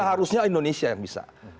seharusnya indonesia yang bisa